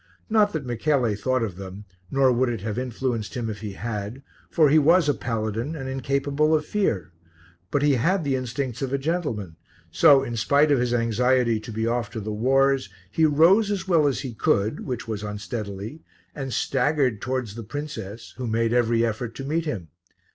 Not that Michele thought of them, nor would it have influenced him if he had, for he was a paladin and incapable of fear; but he had the instincts of a gentleman, so, in spite of his anxiety to be off to the wars, he rose as well as he could, which was unsteadily, and staggered towards the princess who made every effort to meet him.